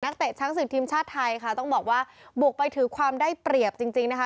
เตะช้างศึกทีมชาติไทยค่ะต้องบอกว่าบุกไปถือความได้เปรียบจริงจริงนะคะ